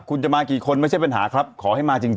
คุณจะมากี่คนไม่ใช่ปัญหาครับขอให้มาจริง